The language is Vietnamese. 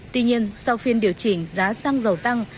tuy nhiên sau phiên điều chỉnh giá xăng dầu tăng